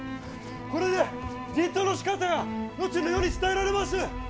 これで人痘のしかたは後の世に伝えられます！